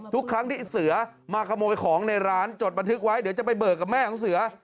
ทุกครั้งที่เสือมาขโมยของในร้านจดบันทึกไว้เดี๋ยวจะไปเบิกกับแม่ของเสือ